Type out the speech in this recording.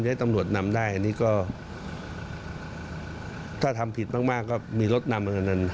ให้ตำรวจนำได้อันนี้ก็ถ้าทำผิดมากก็มีรถนำอันนั้น